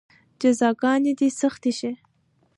جزاګانې دې سختې شي.